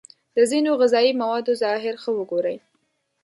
د ځینو غذايي موادو ظاهر ښه وگورئ.